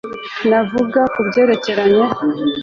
navuga ko kubyerekeranye